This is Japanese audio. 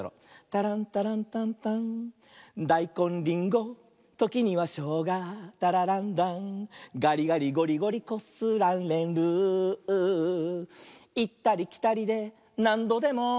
「タランタランタンタン」「だいこんりんごときにはしょうがタラランラン」「がりがりごりごりこすられる」「いったりきたりでなんどでも」